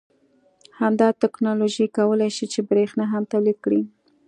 همدا تکنالوژي کولای شي چې بریښنا هم تولید کړي